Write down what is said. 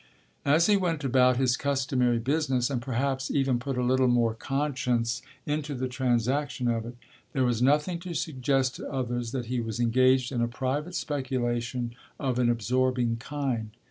As he went about his customary business, and perhaps even put a little more conscience into the transaction of it, there was nothing to suggest to others that he was engaged in a private speculation of an absorbing kind.